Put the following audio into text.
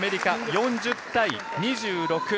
４０対２６。